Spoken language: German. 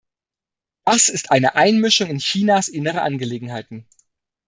Das ist eine Einmischung in Chinas innere Angelegenheiten.